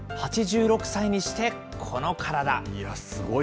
８６歳にしてこの体。